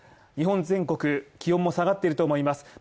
日本全国、気温も下がっていると思います